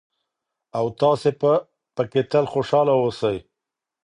او تاسې به پکې تل خوشحاله اوسئ.